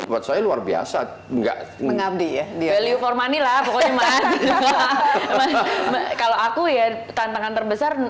untuk saya luar biasa nggak mengabdi ya value for money lah pokoknya kalau aku ya tantangan terbesar